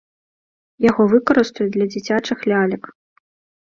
Яго выкарыстаюць для дзіцячых лялек.